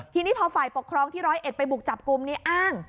ทีนี้พอฝ่ายปกครองที่ร้อยเอ็ดไปบุกจับกลุ่มนี้อ้าง